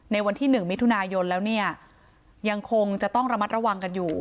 วันที่๑มิถุนายนแล้วเนี่ยยังคงจะต้องระมัดระวังกันอยู่